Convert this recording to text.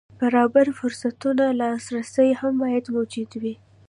برابر فرصتونو ته لاسرسی هم باید موجود وي.